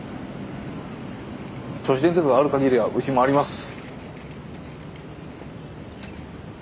銚子電鉄があるかぎりはうちもあります。